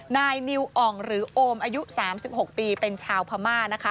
นายนิวอ่องหรือโอมอายุ๓๖ปีเป็นชาวพม่านะคะ